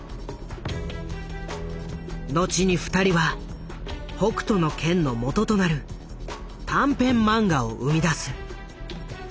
後に２人は「北斗の拳」のもととなる短編漫画を生み出す。